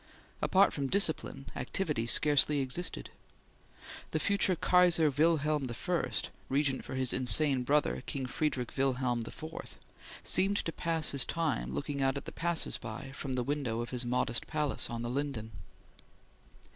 Apart from discipline, activity scarcely existed. The future Kaiser Wilhelm I, regent for his insane brother King Friedrich Wilhelm IV, seemed to pass his time looking at the passers by from the window of his modest palace on the Linden.